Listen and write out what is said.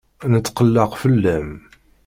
Netqelleq fell-am.